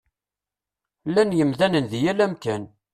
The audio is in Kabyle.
Llan yemdanen di yal amkan.